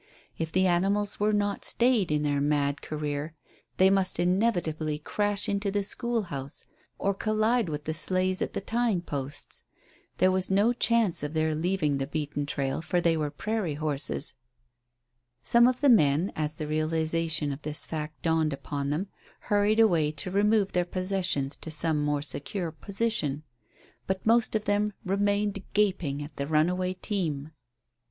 If the animals were not stayed in their mad career they must inevitably crash into the school house or collide with the sleighs at the tying posts. There was no chance of their leaving the beaten trail, for they were prairie horses. Some of the men, as the realization of this fact dawned upon them, hurried away to remove their possessions to some more secure position, but most of them remained gaping at the runaway team.